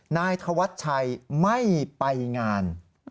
นายธวัชชัยไม่ไปงาน